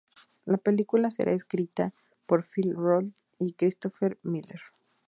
La película será escrita por Phil Lord y Christopher Miller.